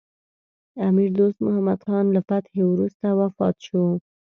امیر دوست محمد خان له فتحې وروسته وفات شو.